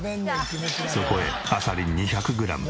そこへあさり２００グラム。